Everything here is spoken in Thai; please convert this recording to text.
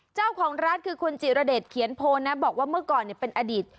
เจ้าของร้านคือคุณจิรเดชเขียนโพนนะบอกว่าเมื่อก่อนเป็นอดีต